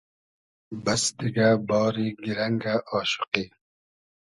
بئس دیگۂ ، باری گیرئنگۂ آشوقی